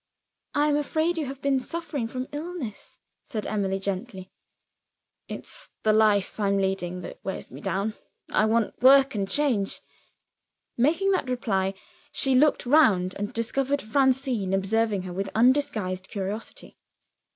"I am afraid you have been suffering from illness," Emily answered gently. "It's the life I'm leading that wears me down; I want work and change." Making that reply, she looked round, and discovered Francine observing her with undisguised curiosity.